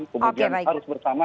kemudian harus bersama